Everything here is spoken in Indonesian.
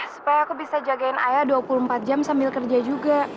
supaya aku bisa jagain ayah dua puluh empat jam sambil kerja juga